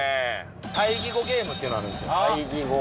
対義語ゲームっていうのあるんですよ。